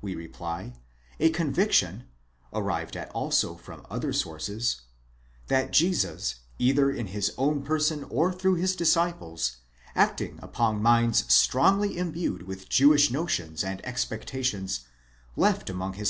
we reply: a conviction (arrived at also from other sources), that Jesus, either in his own person or through his disciples, acting upon minds strongly imbued with Jewish notions and expectations, left among his.